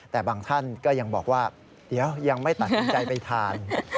แต่บางท่านก็ยังบอกว่าเดี๋ยวยังไม่ตัดสินใจไปทาน